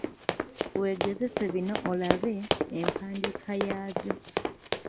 Weegezese bino olabe empandiika yaabyo.